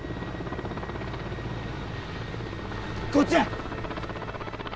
こっちへ